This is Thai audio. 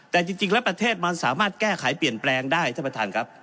แต่จริงแล้วประเทศมันสามารถแก้ไขเปลี่ยนแปลงได้ท่านประธานครับ